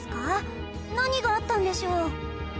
何があったんでしょう？